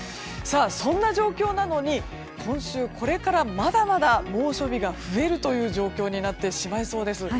そんな状況なのに今週、これからまだまだ猛暑日が増えるという状況になってしまいそうです。